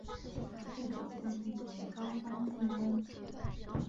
不久玉壁为高欢进攻。